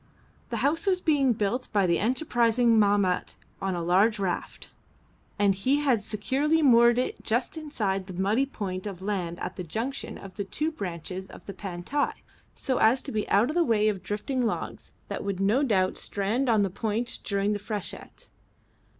The house was being built by the enterprising Mahmat on a large raft, and he had securely moored it just inside the muddy point of land at the junction of the two branches of the Pantai so as to be out of the way of drifting logs that would no doubt strand on the point during the freshet.